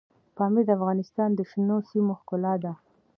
پامیر د افغانستان د شنو سیمو ښکلا ده.